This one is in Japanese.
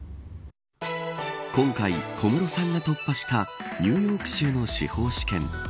今回、小室さんが突破したニューヨーク州の司法試験。